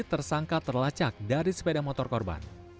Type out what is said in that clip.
tersangka terlacak dari sepeda motor korban